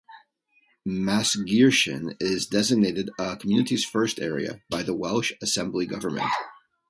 Maesgeirchen is designated a 'Communities First' area by the Welsh Assembly Government.